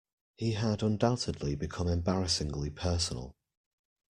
He had undoubtedly become embarrassingly personal.